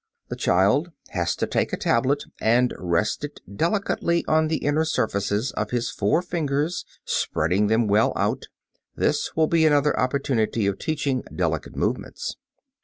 The child has to take a tablet and rest it delicately on the inner surfaces of his four fingers, spreading them well out. This will be another opportunity of teaching delicate movements.